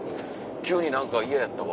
急に何か嫌やったわ。